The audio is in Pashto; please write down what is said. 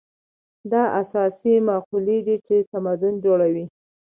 دا اساسي مقولې دي چې تمدن جوړوي.